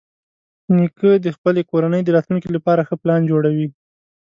نیکه د خپلې کورنۍ د راتلونکي لپاره ښه پلان جوړوي.